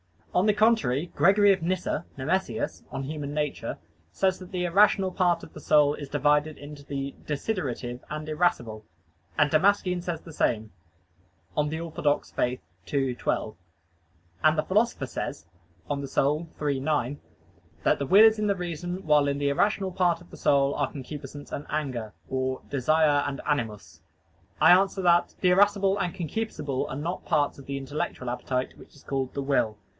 On the contrary, Gregory of Nyssa (Nemesius, De Nat. Hom.) says that the irrational part of the soul is divided into the desiderative and irascible, and Damascene says the same (De Fide Orth. ii, 12). And the Philosopher says (De Anima iii, 9) "that the will is in reason, while in the irrational part of the soul are concupiscence and anger," or "desire and animus." I answer that, The irascible and concupiscible are not parts of the intellectual appetite, which is called the will.